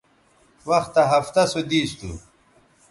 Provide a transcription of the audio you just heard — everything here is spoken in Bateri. وختہ ہفتہ سو دیس تھو